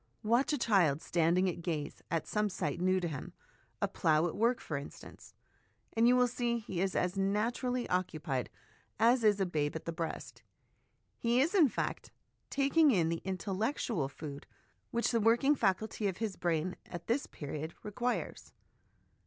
Watch a child standing at gaze at some sight new to him a plough at work, for instance and you will see he is as naturally occupied as is a babe at the breast ; he is, in fact, taking in the intellectual food which the working faculty of his brain at this period requires.